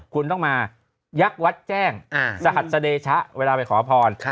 คุณต้องมายักษ์วัดแจ้งสหัสเดชะเวลาไปขอพร